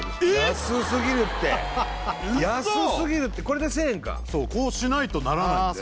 安すぎるって安すぎるってこれで１０００円かこうしないとならないんであ